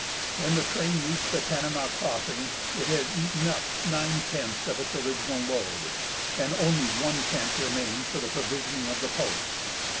When the train reached the Tanana Crossing it had eaten up nine tenths of its original load, and only one tenth remained for the provisioning of the post.